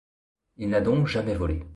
Il n'a donc jamais volé.